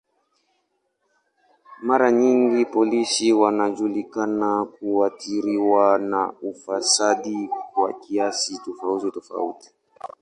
Mara nyingi polisi wanajulikana kuathiriwa na ufisadi kwa kiasi tofauti tofauti.